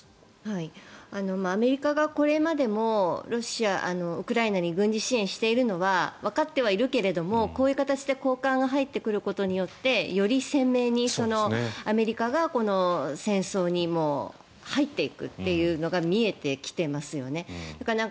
アメリカがこれまでもウクライナに軍事支援をしているのはわかってはいるけれどもこういう形で高官が入ってくることでより鮮明にアメリカが戦争に入っていくというのが見えてきていますよね。